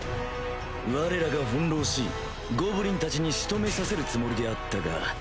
われらが翻弄しゴブリンたちに仕留めさせるつもりであったが